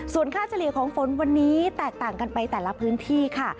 ส่วนค่าเฉลี่ยของฝนวันนี้แตกต่างกันไปแต่ละพื้นที่ค่ะ